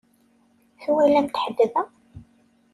Twalamt ḥedd da?